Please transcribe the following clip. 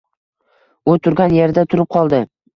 U turgan yerida turib qoldi.